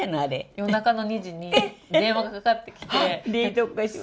夜中の２時に電話がかかってきて。